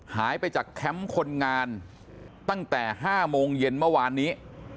หายไปจากแคมป์คนงานตั้งแต่๕โมงเย็นเมื่อวานนี้